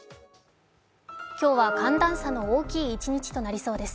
今日は寒暖差の大きい一日となりそうです。